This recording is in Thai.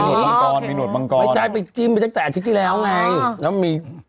มังกรมีหนวดมังกรไม่ใช่ไปจิ้มไปตั้งแต่อาทิตย์ที่แล้วไงแล้วมี